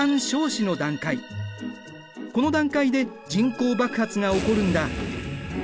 この段階で人口爆発が起こるんだ。